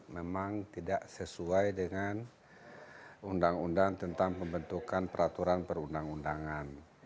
memang tidak sesuai dengan undang undang tentang pembentukan peraturan perundang undangan